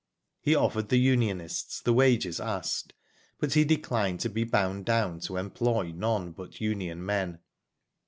He offered the unionists the wages asked, but he declined to be bound down to employ none but union men.